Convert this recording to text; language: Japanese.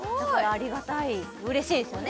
ありがたい嬉しいですよね